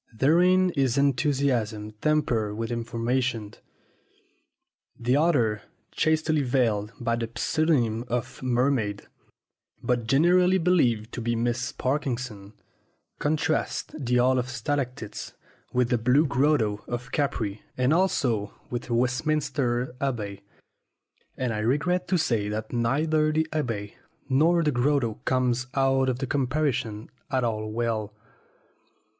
Therein is enthusiasm tempered with information. The author (chastely veiled by the pseudonym of "Mermaid," but generally believed to be Miss Parkinson) contrasts the Hall of Stalactites with the Blue Grotto of Capri and also with Westminster Abbey; and I regret to say that neither the Abbey nor the Grotto comes out of the comparison at all well.